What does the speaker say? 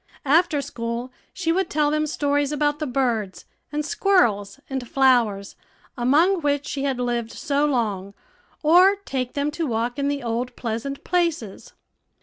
After school she would tell them stories about the birds, and squirrels, and flowers, among which she had lived so long, or take them to walk in the old pleasant places.